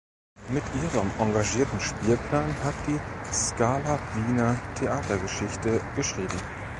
Mit ihrem engagierten Spielplan hat die Scala Wiener Theatergeschichte geschrieben.